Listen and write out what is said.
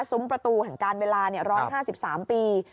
ประตูแห่งการเวลา๑๕๓ปี